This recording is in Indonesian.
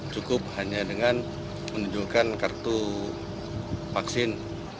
cukup hanya dengan menunjukkan kartu vaksin